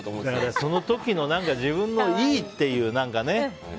その時の自分のいいっていうね。